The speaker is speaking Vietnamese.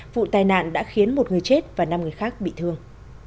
vụ tai nạn đã khiến một người chết và năm người khác bị thương